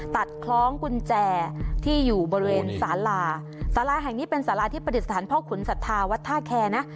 คล้องกุญแจที่อยู่บริเวณสาลาสาราแห่งนี้เป็นสาราที่ประดิษฐานพ่อขุนศรัทธาวัดท่าแคร์นะ